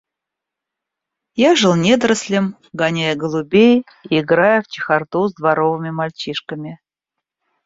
Я жил недорослем, гоняя голубей и играя в чехарду с дворовыми мальчишками.